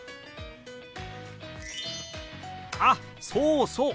あっそうそう！